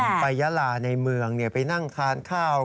ไปยาลาในเมืองไปนั่งทานข้าว